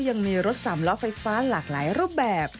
ยังมีรถสามล้อไฟฟ้าหลากหลายรูปแบบ